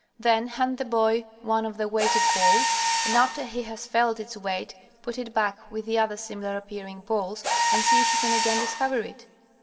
Then hand the boy one of the weighted balls, and after he has felt its weight put it back with the other similar appearing balls and see if he can again discover it.